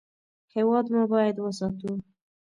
هېواد مو باید وساتو